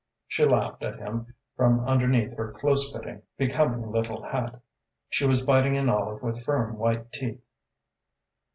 She laughed at him from underneath her close fitting, becoming little hat. She was biting an olive with firm white teeth.